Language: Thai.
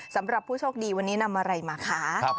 สำหรับผู้โชคดีวันนี้นำอะไรมาคะ